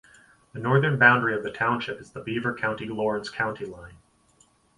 The northern boundary of the township is the Beaver County-Lawrence County line.